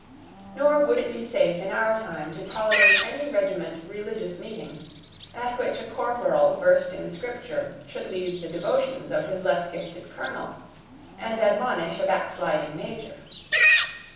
Nor would it be safe, in our time, to tolerate in any regiment religious meetings, at which a corporal versed in Scripture should lead the devotions of his less gifted colonel, and admonish a backsliding major.